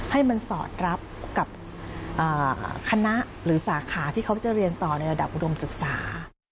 ให้มันสอดรับกับคณะหรือสาขาที่เขาจะเรียนต่อในระดับอุดมศึกษา